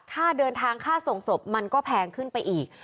ค่าเดินทางค่าส่งศพมันก็แพงขึ้นไปอีก